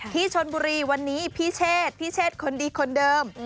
ที่ชนบุรีวันนี้พี่เชษพี่เชษคนดีคนเดิม